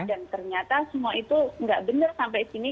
dan ternyata semua itu nggak benar sampai sini